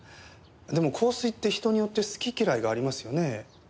でも香水って人によって好き嫌いがありますよね。